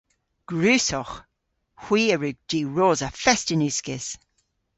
Gwrussowgh. Hwi a wrug diwrosa fest yn uskis.